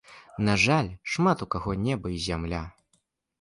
На жаль, шмат у каго неба і зямля.